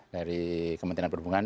dari kementerian perhubungan